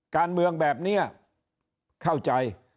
การเมืองแบบนี้เข้าใจ